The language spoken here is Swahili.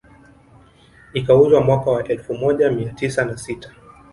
Ikauzwa mwaka wa elfu moja mia tisa na sita